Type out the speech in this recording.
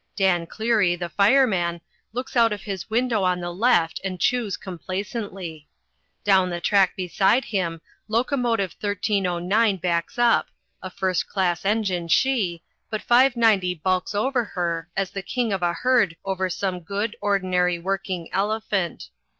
Dan Cleary, the fireman, looks out of his window on the left and chews complacently. Down the track beside him locomotive 1309 backs up, a first class engine she, but 590 bulks over her as the king of a herd might over some good, ordinary working elephant.